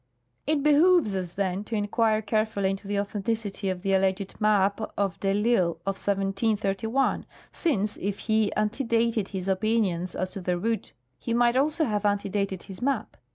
213 It behooves us, then, to inquire carefully into the authenticity of the alleged map of cle I'lsle of 1731, since if he antedated his opinions as to the route he might also have antedated his map.